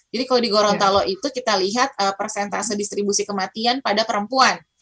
jadi kalau di gorontalo itu kita lihat persentase distribusi kematian pada perempuan